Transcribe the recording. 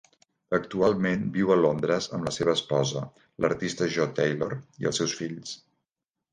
Actualment viu a Londres amb la seva esposa, l'artista Jo Taylor, i els seus fills.